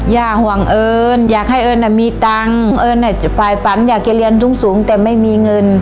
ย่าห่วงเอิญอยากให้เอิ้นมีตังค์เอิ้นฝ่ายฝันอยากจะเรียนสูงแต่ไม่มีเงิน